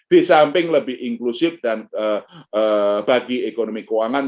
di samping lebih inklusif dan bagi ekonomi keuangan